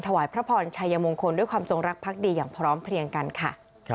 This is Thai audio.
ถวายพระพรชัยมงคลด้วยความจงรักพักดีอย่างพร้อมเพลียงกันค่ะ